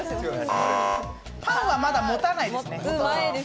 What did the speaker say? パンはまだ持たないですね。